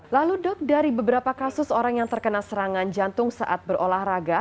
lalu dok dari beberapa kasus orang yang terkena serangan jantung saat berolahraga